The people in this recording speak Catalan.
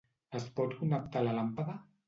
Es pot connectar la làmpada?